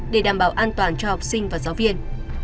để đảm bảo an toàn cho học sinh và giáo viên